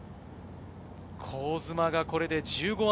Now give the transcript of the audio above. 香妻がこれで、−１５。